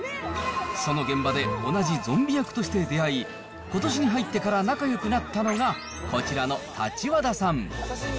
その現場で同じゾンビ役として出会い、ことしに入ってから仲よくなったのが、こちらの立和田さん。